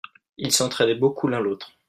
Ils s'entraidaient beaucoup l'un l'autre.